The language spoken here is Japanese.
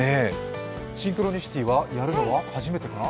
「シンクロニシティ」はやるのは初めてかな？